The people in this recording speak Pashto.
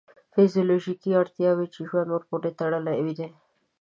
فیزیولوژیکې اړتیاوې چې ژوند ورپورې تړلی دی.